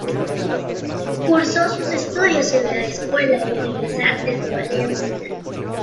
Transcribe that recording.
Cursó sus estudios en la Escuela de Bellas Artes de Valencia.